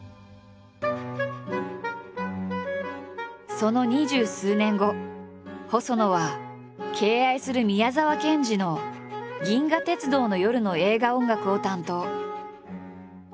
その二十数年後細野は敬愛する宮沢賢治の「銀河鉄道の夜」の映画音楽を担当。